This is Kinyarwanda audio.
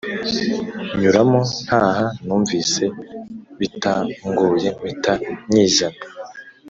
nyuramo ntaha numvise bitangoye mpita nyizana.”